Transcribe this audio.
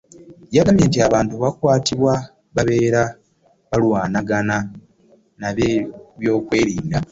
Yagambye nti abantu abattibwa babeera balwanagana n'abeebyokwerinda